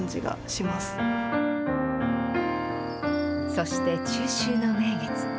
そして、中秋の名月。